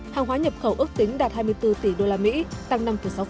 hàng hóa nhập khẩu ước tính đạt hai mươi bốn tỷ usd tăng năm sáu